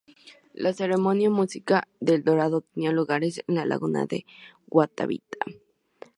La ceremonia muisca de El Dorado tenía lugar en la Laguna de Guatavita.